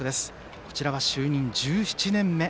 こちらは就任１７年目。